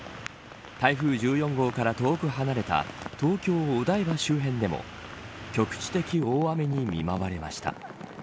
台風１４号から遠く離れた東京、お台場周辺でも局地的大雨に見舞われました。